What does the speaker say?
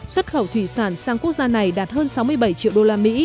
xuất khẩu thủy sản sang quốc gia này đạt hơn sáu mươi bảy triệu usd